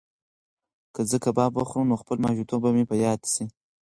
که زه کباب وخورم نو خپل ماشومتوب به مې په یاد شي.